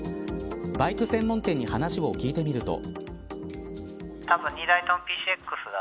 バイク専門店に話を聞いてみると。